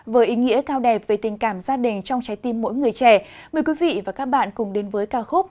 với ý nghĩa cao đẹp về tình cảm gia đình trong trái tim mỗi người trẻ mời quý vị và các bạn cùng đến với ca khúc